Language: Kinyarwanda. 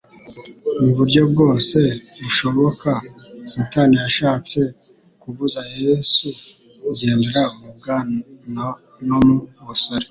Mu buryo bwose bushoboka, Satani yashatse kubuza Yesu kugendera mu bwana no mu busore